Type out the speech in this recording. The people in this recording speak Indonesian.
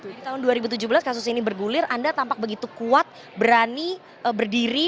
jadi tahun dua ribu tujuh belas kasus ini bergulir anda tampak begitu kuat berani berdiri